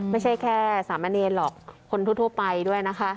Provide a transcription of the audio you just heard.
ไม่ใช่แค่สามะเนรหรอกคนทั่วไปด้วยนะคะ